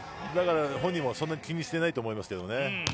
本人もそんなに気にしていないと思いますけどね。